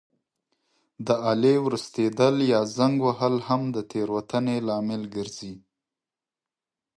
د آلې ورستېدل یا زنګ وهل هم د تېروتنې لامل ګرځي.